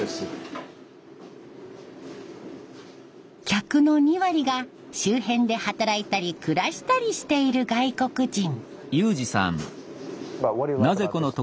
客の２割が周辺で働いたり暮らしたりしている外国人。